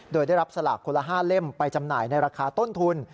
โดยได้รับสลากคนละ๕เล่มไปจำหน่ายในราคาต้นทุน